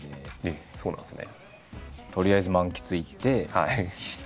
えっそうなんですね。